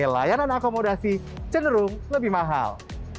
layanan akomodasi cenderung lebih mahal